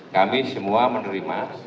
kami semua menerima